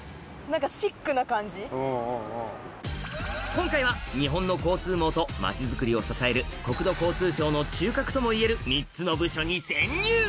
今回は日本の交通網と街づくりを支える国土交通省の中核ともいえる３つの部署に潜入